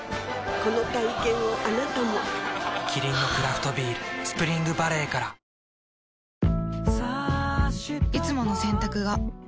この体験をあなたもキリンのクラフトビール「スプリングバレー」からいつもの洗濯が